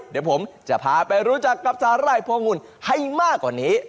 เดี๋ยวผมจะพาไปรู้จักกับสาหร่ายพงุ่นให้มากกว่านี้